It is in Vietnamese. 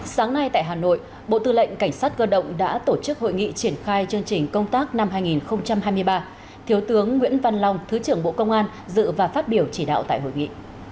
sáng nay tại hà nội bộ tư lệnh cảnh sát cơ động đã tổ chức hội nghị triển khai chương trình công tác năm hai nghìn hai mươi ba thiếu tướng nguyễn văn long thứ trưởng bộ công an dự và phát biểu chỉ đạo tại hội nghị